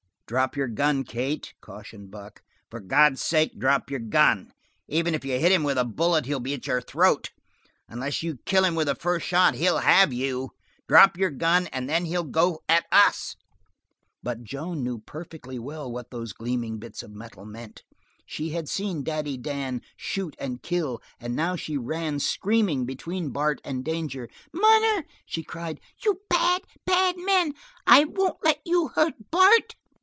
"Drop your gun, Kate," cautioned Buck. "For God's sake drop your gun. Even if you hit him with a bullet, he'll be at your throat. Unless you kill him with the first shot he'll have you. Drop your gun, and then he'll go at us." But Joan knew perfectly well what those gleaming bits of steel meant. She had seen Daddy Dan shoot and kill, and now she ran screaming between Bart and danger. "Munner!" she cried. "You bad, bad men. I won't let you hurt Bart."